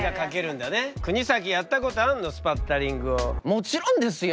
もちろんですよ。